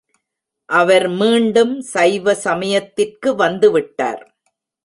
அவர் மீண்டும் சைவ சமயத்திற்கு வந்துவிட்டார்.